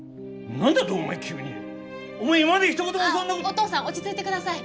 お父さん落ち着いてください。